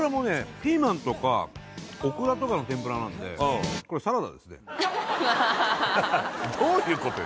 ピーマンとかオクラとかの天ぷらなんでハハハハどういうことよ？